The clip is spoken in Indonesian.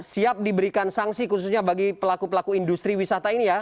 siap diberikan sanksi khususnya bagi pelaku pelaku industri wisata ini ya